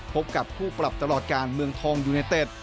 พบกับคู่ปรับตลอดการเมืองทองยูเนเต็ด